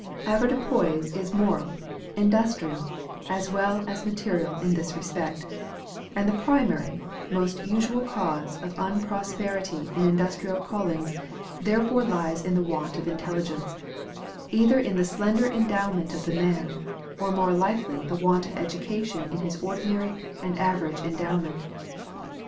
Avoirdupois is moral, industrial, as well as material, in this respect; and the primary, most usual cause of unprosperity in industrial callings therefore lies in the want of intelligence, either in the slender endowment of the man, or more likely the want of education in his ordinary and average endowment.